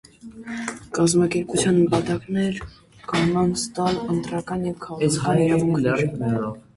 Կազմակերպության նպատակն էր կանանց տալ ընտրական և քաղաքական իրավունքներ։